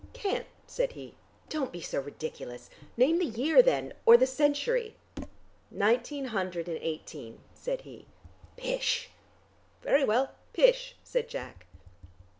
"Can't," said he. "Don't be so ridiculous. Name the year then. Or the century." "Nineteen hundred and eighteen," said he. "Pish!" "Very well, pish," said Jack.